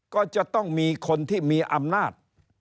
ก็จะต้องมีคนที่มีอำนาจ